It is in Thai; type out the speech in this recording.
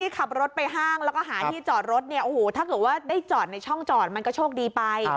ขับรถไปห้างแล้วก็หาที่จอดรถเนี่ยโอ้โหถ้าเกิดว่าได้จอดในช่องจอดมันก็โชคดีไป